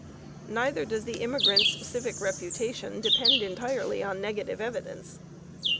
Neither does the immigrant's civic reputation depend entirely on negative evidence.